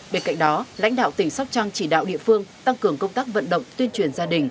bên cạnh đó lãnh đạo tỉnh sóc trăng chỉ đạo địa phương tăng cường công tác vận động tuyên truyền gia đình